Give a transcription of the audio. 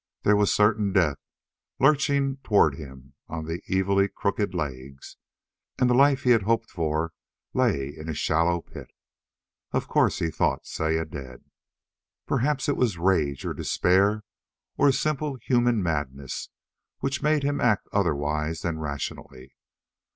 There was certain death lurching toward him on evilly crooked legs and the life he had hoped for lay in a shallow pit. Of course he thought Saya dead. Perhaps it was rage, or despair, or a simple human madness which made him act otherwise than rationally.